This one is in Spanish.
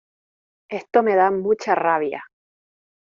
Esto me da mucha rabia.